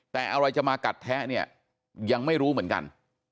แต่อะไรจะมากัดแทะเนี่ยยังไม่รู้เหมือนกัน